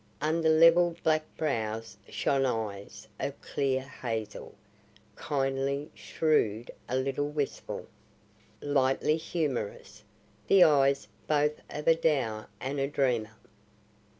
Under level black brows shone eyes of clear hazel, kindly, shrewd, a little wistful, lightly humorous; the eyes both of a doer and a dreamer.